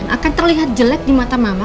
akan terlihat jelek di mata mama